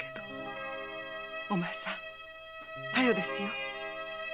お前さん「たよ」ですよ。